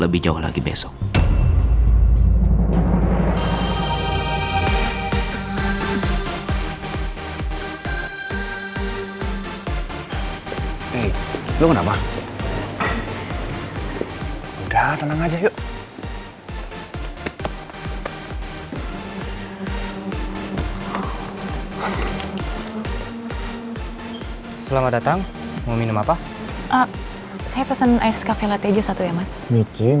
bagus boleh boleh boleh